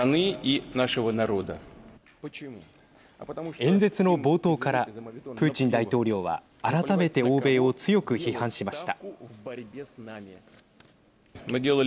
演説の冒頭からプーチン大統領は改めて欧米を強く批判しました。